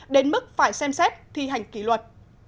đến mức phải xem xét thi hành kỷ luật